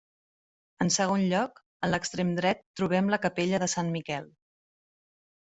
En segon lloc, en l'extrem dret trobem la capella de Sant Miquel.